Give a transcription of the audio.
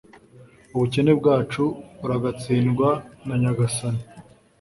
ubukene bwacu buragatsindwa nanyagasani